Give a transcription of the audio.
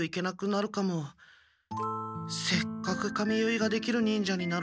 せっかく髪結いができる忍者になろうと思っていたのに。